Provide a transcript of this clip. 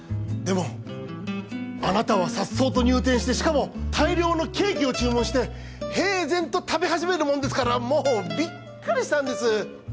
でもあなたは颯爽と入店してしかも大量のケーキを注文して平然と食べ始めるもんですからもうびっくりしたんです。